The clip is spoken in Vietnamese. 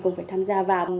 cũng phải tham gia vào